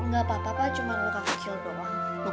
gak apa apa cuma muka kecil doang